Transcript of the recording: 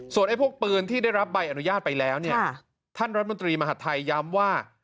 ไอ้พวกปืนที่ได้รับใบอนุญาตไปแล้วเนี่ยท่านรัฐมนตรีมหาดไทยย้ำว่า